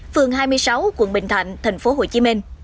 phường hai mươi sáu quận bình thạnh tp hcm